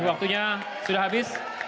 waktunya sudah habis